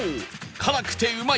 辛くてうまい！